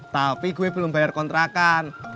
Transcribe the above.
tapi gue belum bayar kontrakan